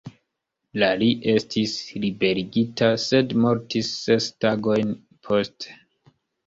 La li estis liberigita, sed mortis ses tagojn poste.